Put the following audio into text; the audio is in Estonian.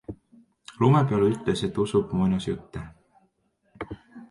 Lumepall ütles, et usub muinasjutte.